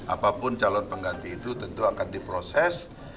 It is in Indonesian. apapun calon pengganti itu tentu akan diproses